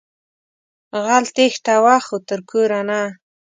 غل تېښتوه خو تر کوره نه